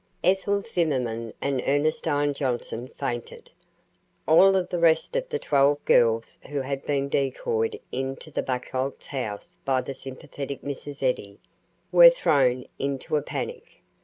Ethel Zimmerman and Ernestine Johnson fainted. All of the rest of the twelve girls who had been decoyed into the Buchholz house by the "sympathetic Mrs. Eddy" were thrown into a panic.